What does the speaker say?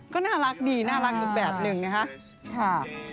ก็น่ารักดีน่ารักอีกแบบหนึ่งนะคะ